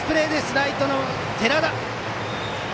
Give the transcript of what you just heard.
ライトの寺田。